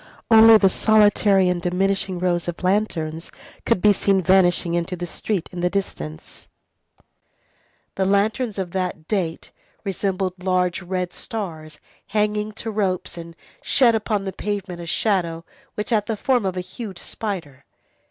Only the solitary and diminishing rows of lanterns could be seen vanishing into the street in the distance. The lanterns of that date resembled large red stars, hanging to ropes, and shed upon the pavement a shadow which had the form of a huge spider.